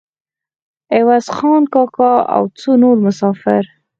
عوض خان کاکا او څو نور مسافر.